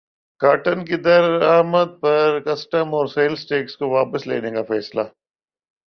cotton کی درمد پر کسٹمز اور سیلز ٹیکس کو واپس لینے کا فیصلہ